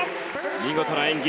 見事な演技